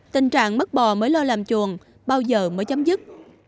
tình trạng mất bò mới lo làm chuồng bao giờ mới chấm dứt